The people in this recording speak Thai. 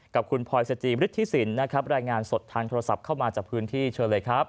กับคุณพลอยสจิมฤทธิสินนะครับรายงานสดทางโทรศัพท์เข้ามาจากพื้นที่เชิญเลยครับ